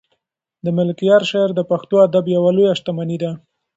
د ملکیار شعر د پښتو ادب یوه لویه شتمني ده.